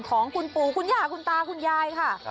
ของคุณปู่คุณย่าคุณตาคุณยายค่ะ